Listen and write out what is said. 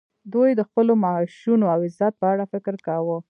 دوی د خپلو معاشونو او عزت په اړه فکر کاوه